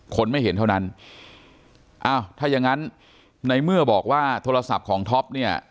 คนไม่เห็นเท่านั้นอ้าวถ้ายังงั้นในเมื่อบอกว่าโทรศัพท์ของท็อปเนี่ย